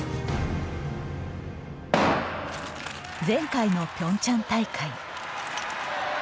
前回のピョンチャン大会。